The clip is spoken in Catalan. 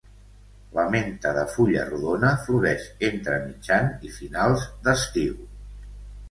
La menta de fulla rodona floreix entre mitjan i finals d'estiu.